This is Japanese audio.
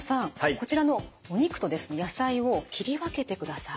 こちらのお肉と野菜を切り分けてください。